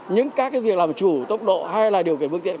những các cái việc làm chủ tốc độ hay là điều kiện vương tiện